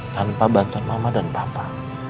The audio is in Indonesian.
tanpa bantuan mama dan papa